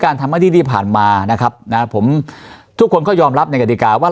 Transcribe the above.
ทำหน้าที่ที่ผ่านมานะครับนะผมทุกคนก็ยอมรับในกฎิกาว่า